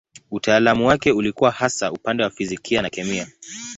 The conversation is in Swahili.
Utaalamu wake ulikuwa hasa upande wa fizikia na kemia.